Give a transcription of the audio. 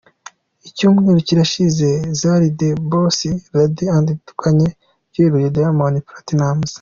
Icyumweru kirashize Zari The Boss Lady atandukanye byeruye na Diamond Platnumz.